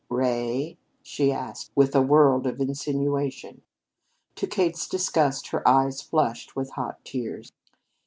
"Ray?" she asked with a world of insinuation. To Kate's disgust, her eyes flushed with hot tears.